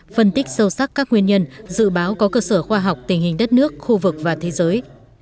phân tích sâu sắc các nguyên nhân dự báo có cơ sở khoa học tình hình đất nước khu vực và thế giới